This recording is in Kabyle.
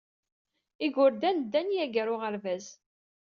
Igerdan ddan yagi ɣer uɣerbaz.